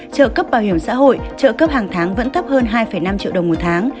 trợ cấp bảo hiểm xã hội trợ cấp hàng tháng vẫn thấp hơn hai năm triệu đồng một tháng